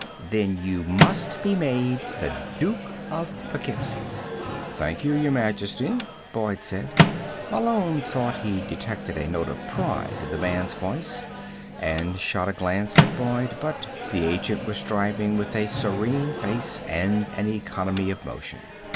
Then you must be made the Duke of Poughkeepsie." "Thank you, Your Majesty," Boyd said. Malone thought he detected a note of pride in the man's voice, and shot a glance at Boyd, but the agent was driving with a serene face and an economy of motion.